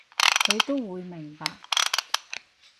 佢都會明白